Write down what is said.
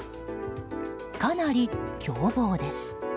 かなり凶暴です。